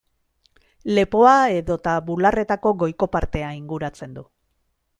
Lepoa edota bularretako goiko partea inguratzen du.